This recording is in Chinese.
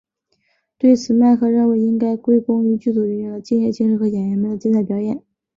对此麦克认为应该归功于剧组人员的敬业精神和演员们的精彩表演。